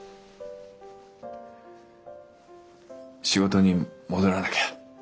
仕事に戻らなきゃ。